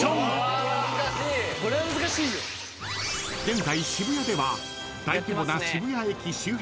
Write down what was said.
［現在渋谷では大規模な］